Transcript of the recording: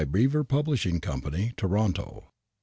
BEAVER PUBLISHING COMPANY, TORONTO.